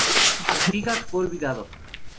Artigas fue olvidado.